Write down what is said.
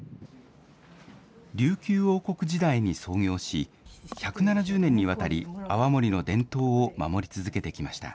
琉球王国時代に創業し、１７０年にわたり泡盛の伝統を守り続けてきました。